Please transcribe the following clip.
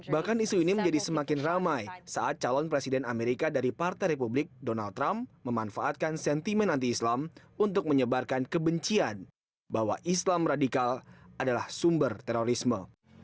bahkan isu ini menjadi semakin ramai saat calon presiden amerika dari partai republik donald trump memanfaatkan sentimen anti islam untuk menyebarkan kebencian bahwa islam radikal adalah sumber terorisme